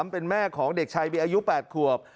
เป็นแม่ของเด็กชายบีอายุ๘ขวบ